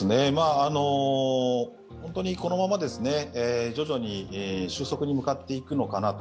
このまま徐々に収束に向かっていくのかなと。